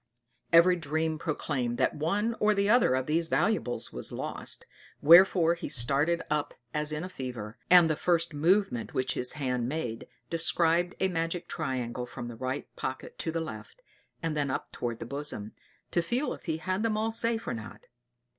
Every dream proclaimed that one or the other of these valuables was lost; wherefore he started up as in a fever; and the first movement which his hand made, described a magic triangle from the right pocket to the left, and then up towards the bosom, to feel if he had them all safe or not.